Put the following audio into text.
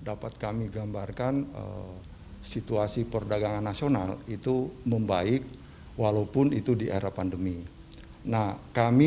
dapat kami gambarkan situasi perdagangan nasional itu membaik walaupun itu di era pandemi nah kami